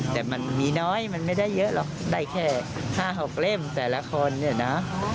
แต่มันมีน้อยมันไม่ได้เยอะหรอกได้แค่๕๖เล่มแต่ละคนเนี่ยนะ